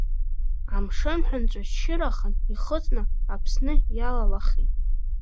Амшын ҳәынҵәа шьшьырахан ихыҵны Аԥсны иалалахит.